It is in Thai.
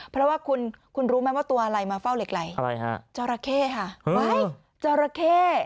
เพราะว่าคุณคุณรู้ไหมว่าตัวอะไรมาเฝ้าเหล็กไหลอะไรฮะจราเข้ค่ะจราเข้